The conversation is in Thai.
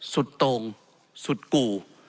สุดตรงสุดกู่